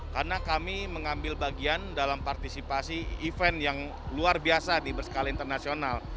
karena kami mengambil bagian dalam partisipasi event yang luar biasa di berskala internasional